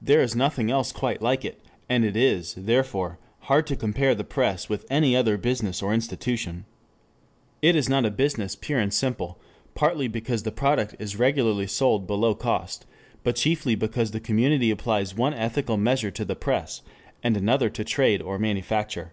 There is nothing else quite like it, and it is, therefore, hard to compare the press with any other business or institution. It is not a business pure and simple, partly because the product is regularly sold below cost, but chiefly because the community applies one ethical measure to the press and another to trade or manufacture.